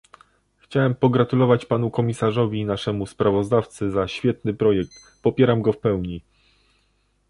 Chciałem pogratulować panu komisarzowi i naszemu sprawozdawcy za świetny projekt, popieram go w pełni